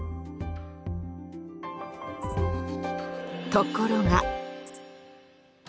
ところが。